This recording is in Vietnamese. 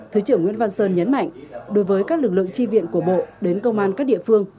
thứ trưởng nguyễn văn sơn nhấn mạnh đối với các lực lượng tri viện của bộ đến công an các địa phương